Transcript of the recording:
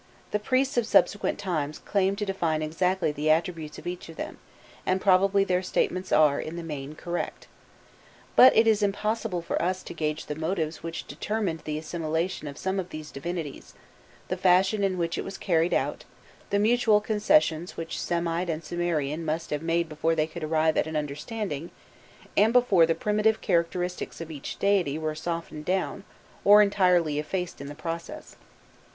The priests of subsequent times claimed to define exactly the attributes of each of them, and probably their statements are, in the main, correct. But it is impossible for us to gauge the motives which determined the assimilation of some of these divinities, the fashion in which it was carried out, the mutual concessions which Semite and Sumerian must have made before they could arrive at an understanding, and before the primitive characteristics of each deity were softened down or entirely effaced in the process.